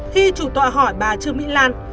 khi chủ tọa hỏi bà trường mỹ lan